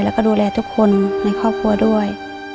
แล้วก็ดูแลทุกคนในครอบครัวด้วย